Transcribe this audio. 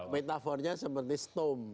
metafornya seperti stomp